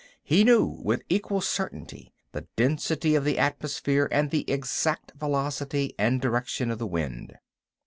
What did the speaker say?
He knew with equal certainty the density of the atmosphere and the exact velocity and direction of the wind.